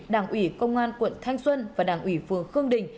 đảng ủy công an quận thanh xuân và đảng ủy phường khương đình